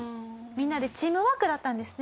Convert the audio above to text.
みんなでチームワークだったんですね。